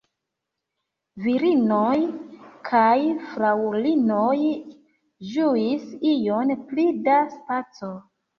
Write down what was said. Virinoj kaj fraŭlinoj ĝuis ion pli da spaco.